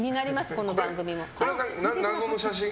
この番組の。